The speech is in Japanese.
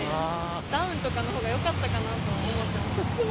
ダウンとかのほうがよかったかなと思ってます。